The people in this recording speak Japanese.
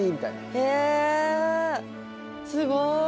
へえすごい。